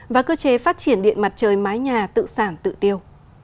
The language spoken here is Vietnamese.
và cơ chế phát triển điện mặt trời mái nhà tự sản tự tiêu